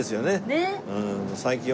ねっ！